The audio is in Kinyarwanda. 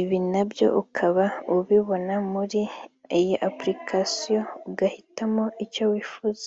ibi na byo ukaba ubibona muri iyi ’Application’ ugahitamo icyo wifuza